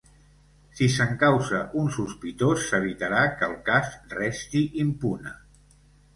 Si s’encausa un sospitós, s’evitarà que el cas resti impune.